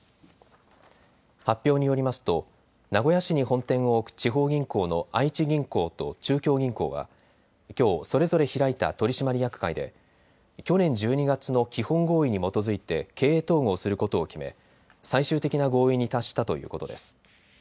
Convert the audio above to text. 発表によりますと名古屋市に本店を置く地方銀行の愛知銀行と中京銀行はきょう、それぞれ開いた取締役会で去年１２月の基本合意に基づいて経営統合することを決め最終的な合意に達したということです。